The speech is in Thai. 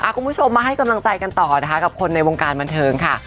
คุณผู้ชมมาให้กำลังใจกันต่อนะคะกับคนในวงการบันเทิงค่ะ